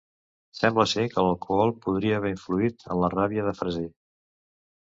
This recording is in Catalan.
Sembla ser que l'alcohol podria haver influït en la ràbia de Fraser.